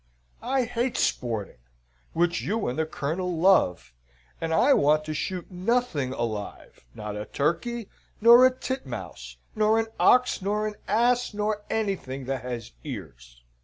"I hate sporting, which you and the Colonel love, and I want to shoot nothing alive, not a turkey, nor a titmouse, nor an ox, nor an ass, nor anything that has ears.